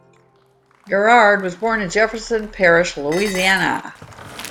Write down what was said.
Girard was born in Jefferson Parish, Louisiana.